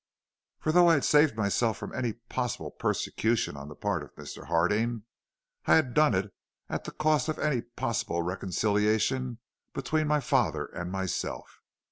"For though I had saved myself from any possible persecution on the part of Mr. Harding, I had done it at the cost of any possible reconciliation between my father and myself.